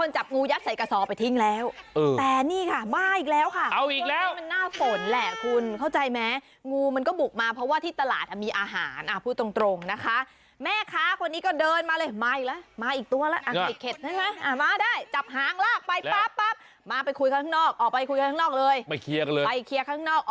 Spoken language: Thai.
จับหางงูยัดใส่กระสอบไปเลย